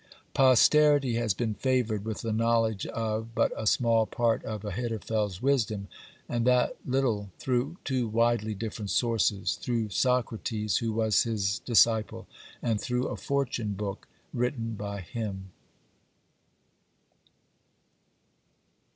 (72) Posterity has been favored with the knowledge of but a small part of Ahithophel's wisdom, and that little through two widely different sources, through Socrates, (73) who was his disciple, and through a fortune book written by him.